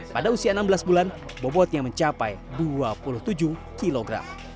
pada usia enam belas bulan bobotnya mencapai dua puluh tujuh kg